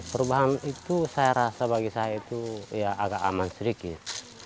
perubahan itu saya rasa bagi saya itu ya agak aman sedikit